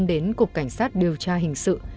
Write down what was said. đến cục cảnh sát điều tra hình sự